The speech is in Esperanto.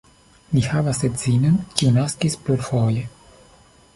Li havas edzinon, kiu naskis plurfoje.